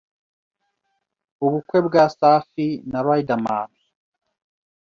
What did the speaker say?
Ubukwe bwa Safi na Riderman